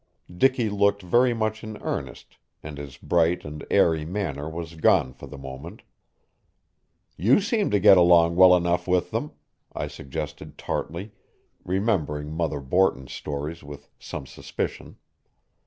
Dicky looked very much in earnest, and his bright and airy manner was gone for the moment. "You seem to get along well enough with them," I suggested tartly, remembering Mother Borton's stories with some suspicion.